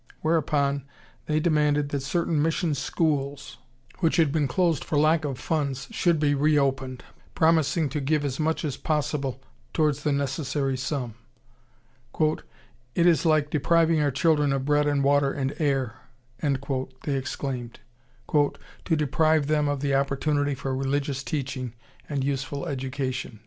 Whereupon they demanded that certain mission schools which had been closed for lack of funds should be re opened, promising to give as much as possible towards the necessary sum. "It is like depriving our children of bread and water and air," they exclaimed, "to deprive them of the opportunity for religious teaching and useful education."